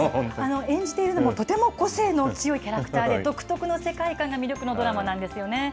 演じているのも、とても個性の強いキャラクターで、独特の世界観が魅力のドラマなんですよね。